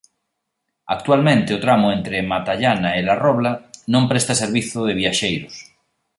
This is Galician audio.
Actualmente o tramo entre Matallana e La Robla non presta servizo de viaxeiros.